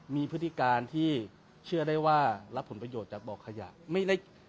มีพฤติการที่เชื่อได้ว่ารับผลประโยชน์จากบ่อขยะ